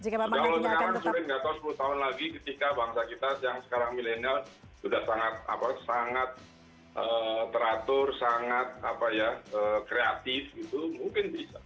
kalau sekarang sulit nggak tahu sepuluh tahun lagi ketika bangsa kita yang sekarang milenial sudah sangat teratur sangat kreatif gitu mungkin bisa